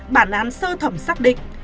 bản án sơ thẩm xác định